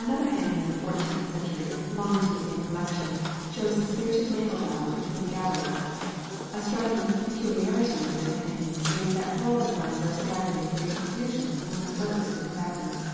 Another hanging of the fourteenth century, belonging to the same collection, shows a spirited naval battle between galleys. A striking peculiarity of this hanging is that floral designs are scattered in great profusion among the boats of the combatants.